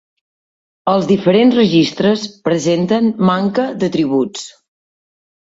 Els diferents registres presenten manca d'atributs.